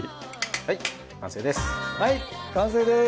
はい完成です。